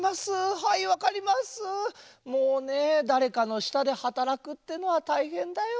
もうねだれかのしたではたらくってのはたいへんだよ。